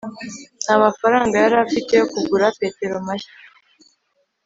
ntamafaranga yari afite yo kugura petero mashya